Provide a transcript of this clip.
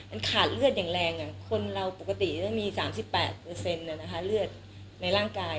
มันขาดเลือดอย่างแรงคนเราปกติจะมี๓๘เลือดในร่างกาย